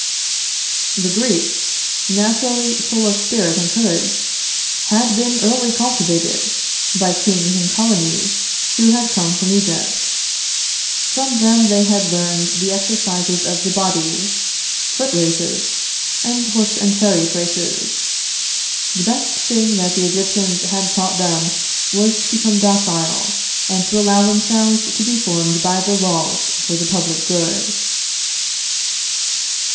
"The Greeks, naturally full of spirit and courage, had been early cultivated by kings and colonies who had come from Egypt. From them they had learned the exercises of the body, foot races, and horse and chariot races.... The best thing that the Egyptians had taught them was to become docile, and to allow themselves to be formed by the laws for the public good."